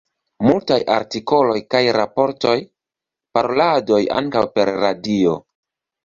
Multaj artikoloj kaj raportoj; paroladoj, ankaŭ per radio.